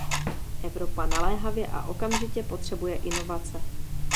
Evropa naléhavě a okamžitě potřebuje inovace.